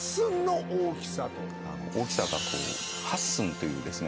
大きさがこう８寸というですね